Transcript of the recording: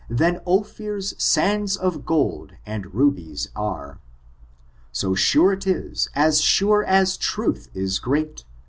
Than Ophir's sands of gold and rubies are : So sure it is, as sure as truth is great.